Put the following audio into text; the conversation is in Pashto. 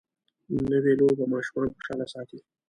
نوې لوبه ماشومان خوشحاله ساتي